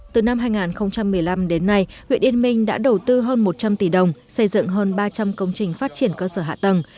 từ năm hai nghìn một mươi năm đến nay huyện yên minh đã đầu tư hơn một trăm linh tỷ đồng xây dựng hơn ba trăm linh công trình phát triển cơ sở hạ tầng